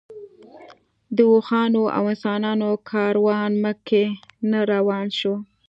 د اوښانو او انسانانو کاروان مکې نه روان شو.